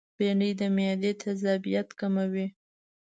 بېنډۍ د معدې تيزابیت کموي